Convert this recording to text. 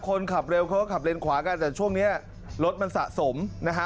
คนขับเร็วเขาก็ขับเลนขวากันแต่ช่วงนี้รถมันสะสมนะฮะ